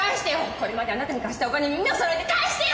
これまであなたに貸したお金耳を揃えて返してよ！